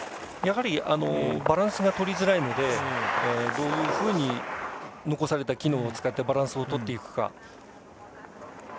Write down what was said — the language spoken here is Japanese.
やはりバランスがとりづらいのでどういうふうに残された機能を使ってバランスを取っていくか。